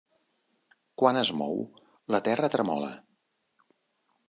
Quan es mou, la Terra tremola.